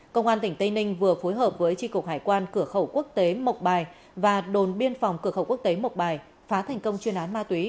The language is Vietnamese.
công an tỉnh tây ninh vừa phối hợp với tri cục hải quan cửa khẩu quốc tế mộc bài và đồn biên phòng cửa khẩu quốc tế mộc bài phá thành công chuyên án ma túy